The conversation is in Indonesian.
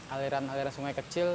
aliran aliran sungai kecil